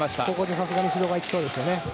さすがに指導が行きそうですね。